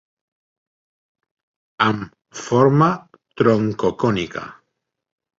Amb forma troncocònica.